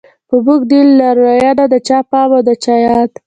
په موږ دی لارويه د چا پام او د چا ياد